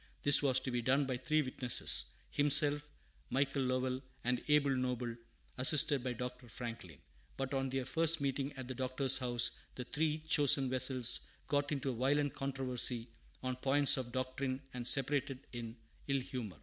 This was to be done by three witnesses, himself, Michael Lovell, and Abel Noble, assisted by Dr. Franklin. But on their first meeting at the Doctor's house, the three "chosen vessels" got into a violent controversy on points of doctrine, and separated in ill humor.